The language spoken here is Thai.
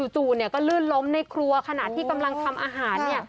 จู่ก็ลื่นล้มในครัวขณะที่กำลังทำอาหาร